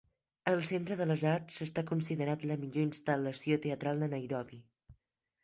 El Centre de les Arts està considerat la millor instal·lació teatral de Nairobi.